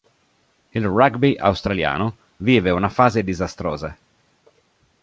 Il rugby australiano vive una fase disastrosa.